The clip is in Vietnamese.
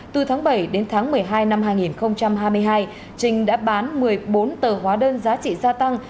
từ tháng bảy đến tháng một mươi hai năm hai nghìn hai mươi hai trinh đã bán một mươi bốn tờ hóa đơn giá trị gia tăng